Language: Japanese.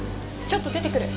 ちょっと出てくる。